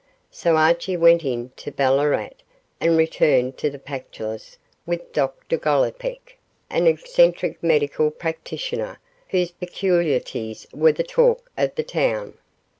So Archie went into Ballarat, and returned to the Pactolus with Dr Gollipeck, an eccentric medical practitioner, whose peculiarities were the talk of the city.